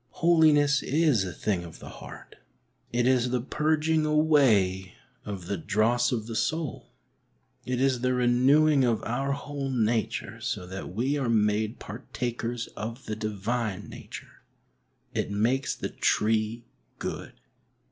Holiness is a thing of the heart ; it is the purging away of the dross of the soul ; it is the renewing of our whole nature so that we are made '' partakers of the Divine Nature.*^ It " makes the tree good."